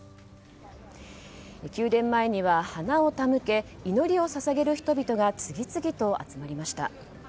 宮殿前には花を手向け祈り捧げる人々が次々と集まりました。